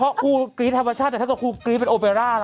เพราะครูกรี๊ดธรรมชาติแต่ถ้ากับครูกรี๊ดเป็นโอเบร่าล่ะ